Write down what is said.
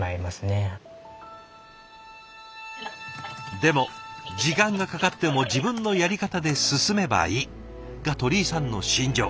でも「時間がかかっても自分のやり方で進めばいい」が鳥居さんの信条。